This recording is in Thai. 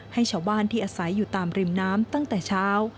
ให้ชาวบ้านที่อาศัยอยู่ตามริมน้ำตั้งแต่เช้า